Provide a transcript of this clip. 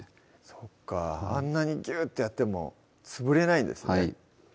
そっかあんなにぎゅっとやっても潰れないんですね